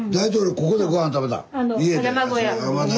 ここでごはん食べた⁉家で？